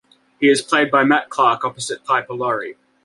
He is played by Matt Clark opposite Piper Laurie.